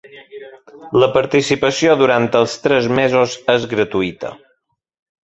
La participació durant els tres mesos és gratuïta.